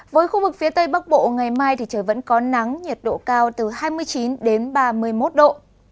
với khu vực phía tây bắc bộ ngày mai thì trời vẫn có nắng nhiệt độ cao từ hai mươi chín đến ba mươi một độ